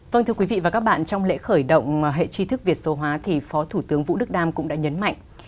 vâng thưa quý vị và các bạn trong lễ khởi động hệ tri thức việt số hóa thì phó thủ tướng vũ đức đam cũng đã nhấn mạnh